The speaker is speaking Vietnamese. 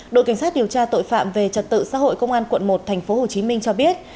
đội cảnh sát điều tra tội phạm về trật tự xã hội công an quận một tp hcm cho biết